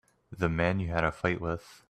The man you had the fight with.